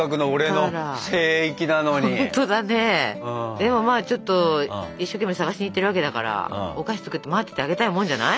でもまあちょっと一生懸命探しに行ってるわけだからお菓子作って待っててあげたいもんじゃない？